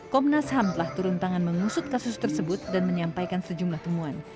komnas ham telah turun tangan mengusut kasus tersebut dan menyampaikan sejumlah temuan